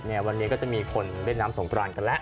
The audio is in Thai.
วันนี้ก็จะมีคนเล่นน้ำสงกรานกันแล้ว